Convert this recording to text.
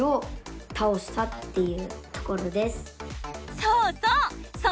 そうそう！